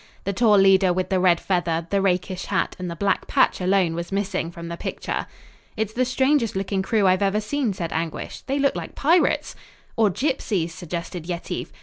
The tall leader with the red feather, the rakish hat and the black patch alone was missing; from the picture. "It's the strangest looking crew I've ever seen," said Anguish. "They look like pirates." "Or gypsies" suggested Yetive.